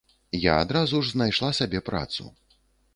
Я адразу ж знайшла сабе працу.